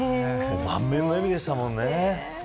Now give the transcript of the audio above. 満面の笑みでしたもんね。